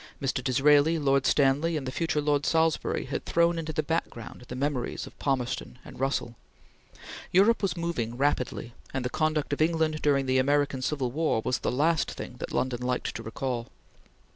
Mr. Disraeli, Lord Stanley, and the future Lord Salisbury had thrown into the background the memories of Palmerston and Russell. Europe was moving rapidly, and the conduct of England during the American Civil War was the last thing that London liked to recall.